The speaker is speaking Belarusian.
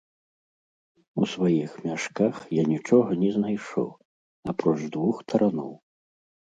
У сваіх мяшках я нічога не знайшоў, апроч двух тараноў.